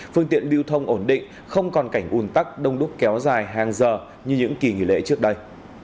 phương tiện lưu thông ổn định không còn cảnh un tắc đông đúc kéo dài hàng giờ như những kỳ nghỉ lễ trước đây